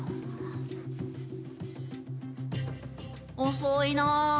遅いな。